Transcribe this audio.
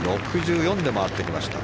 ６４で回ってきました。